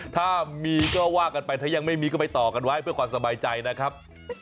ถ้ามีก็ว่ากันไปถ้ายังไม่มีก็ไปต่อกันไว้เพื่อความสบายใจนะครับ